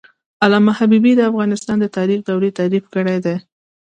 علامه حبيبي د افغانستان د تاریخ دورې تعریف کړې دي.